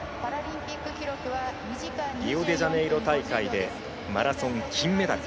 リオデジャネイロ大会でマラソン金メダル。